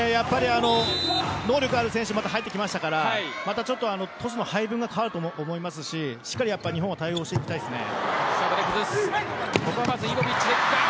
能力ある選手また入ってきましたからトスの配分が変わると思いますししっかり日本は対応していきたいですね。